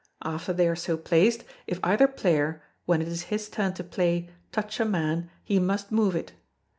After they are so placed, if either player, when it is his turn to play, touch a man, he must move it.